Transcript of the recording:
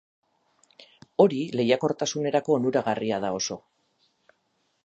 Hori lehiakortasunerako onuragarria da oso.